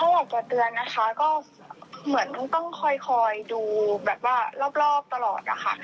ถ้าหลับเตือนนะคะก็เหมือนต้องคอยคอยดูแบบว่ารอบรอบตลอดอะค่ะ